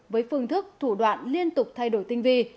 với phương thức thủ đoạn liên tục thay đổi tinh vi